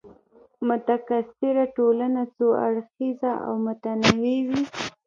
متکثره ټولنه څو اړخیزه او متنوع وي.